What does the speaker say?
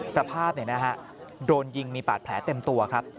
สภาพโดนยิงมีบาดแผลเต็มตัวครับ